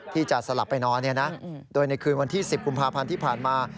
ที่จะสลับไปนอนโดยในคืนวันที่๑๐กุมภาพันธ์ที่ผ่านมา